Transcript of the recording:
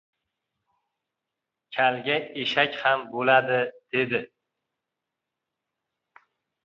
Kalga eshak ham bo‘ladi, dedi.